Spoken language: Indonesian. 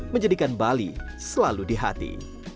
menjadikan bali selalu di hati